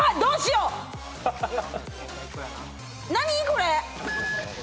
これ。